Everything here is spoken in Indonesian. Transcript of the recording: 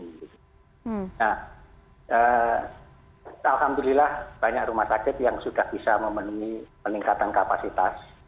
nah alhamdulillah banyak rumah sakit yang sudah bisa memenuhi peningkatan kapasitas